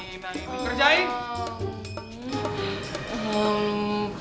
pergi kerjaan pak